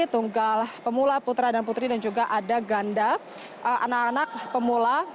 tunggal pemula putra dan putri dan juga ada ganda anak anak pemula